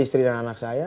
istri dan anak saya